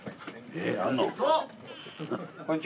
えっあんの？